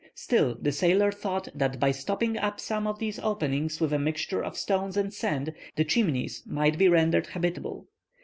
Still, the sailor thought that by stopping up some of these openings with a mixture of stones and sand, the Chimneys might be rendered habitable.